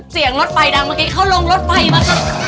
เสียงรถไฟดังเมื่อกี้เขาลงรถไฟมาครับ